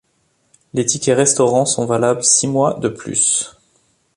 Les tickets restaurant sont valables six mois de plus.